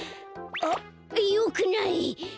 あっよくない！